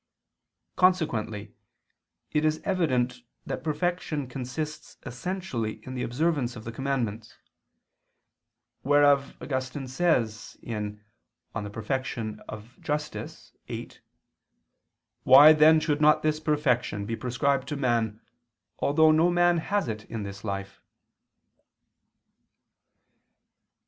Consequently it is evident that perfection consists essentially in the observance of the commandments; wherefore Augustine says (De Perf. Justit. viii): "Why then should not this perfection be prescribed to man, although no man has it in this life?"